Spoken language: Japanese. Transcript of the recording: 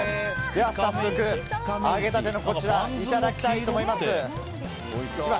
早速揚げ立てのこちらいただきたいと思います。